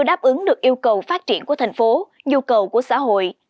đáp ứng được yêu cầu phát triển của thành phố nhu cầu của xã hội